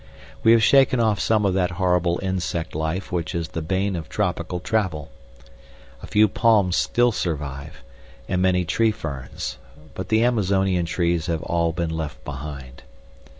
We have shaken off some of that horrible insect life which is the bane of tropical travel. A few palms still survive, and many tree ferns, but the Amazonian trees have been all left behind.